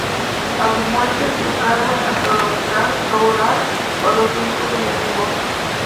A su muerte, su cargo en "Astronomical Journal" pasó a su hijo, Benjamin Boss.